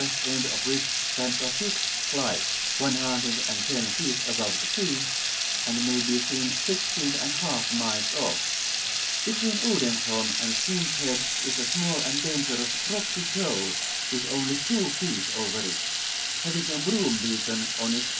end of which stands a fixed Light, 110 feet above the sea, and may be seen 16^ miles off: between Odensholin and Splint Head is a small and dangerous rocky shoaf^ with only 2 feet over it, having a broom beacon on its N.